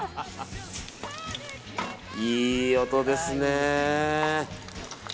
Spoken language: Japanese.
いい音ですね。